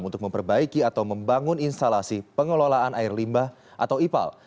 untuk memperbaiki atau membangun instalasi pengelolaan air limbah atau ipal